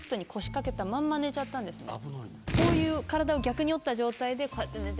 こういう体を逆に折った状態でこうやって寝てて。